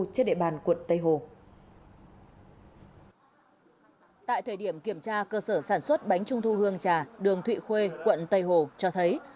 tại thời điểm kiểm tra cơ sở sản xuất bánh trung thu hương trà đường thụy khuê quận tây hồ cho thấy